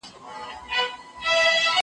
ايا ته کالي وچوې